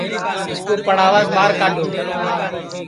اِس کُو پڑاواس ٻہار کڈؔو